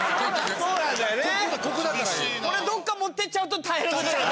これどっか持ってっちゃうと大変なことになる。